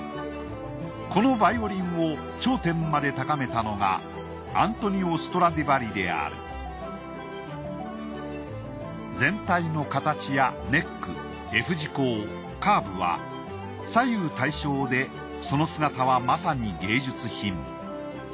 このヴァイオリンを頂点まで高めたのが全体の形やネックｆ字孔カーブは左右対称でその姿はまさに芸術品。